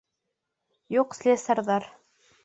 Юҡ слесарҙар!